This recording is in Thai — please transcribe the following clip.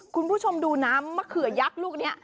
คุณผู้ชมดูน้ำมะเขือยักษ์ลูกนี้